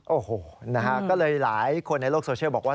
โอ้โหนะฮะก็เลยหลายคนในโลกโซเชียลบอกว่า